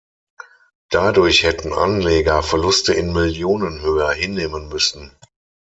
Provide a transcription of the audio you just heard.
Dadurch hätten Anleger Verluste in Millionenhöhe hinnehmen müssen.